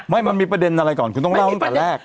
มันมีประเด็นอะไรก่อนคุณต้องเล่าตั้งแต่แรก